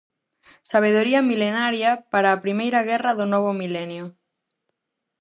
Sabedoría milenaria para a primeira guerra do novo milenio.